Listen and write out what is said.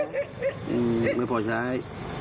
อืมไม่พอใช้